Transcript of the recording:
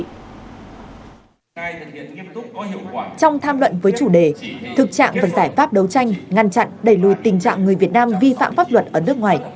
trong tham luận với chủ đề thực trạng và giải pháp đấu tranh ngăn chặn đẩy lùi tình trạng người việt nam vi phạm pháp luật ở nước ngoài